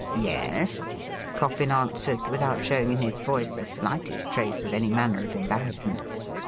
' Yes,' Coffin answered, without showing in his voice the slightest trace of any manner of embarrassment.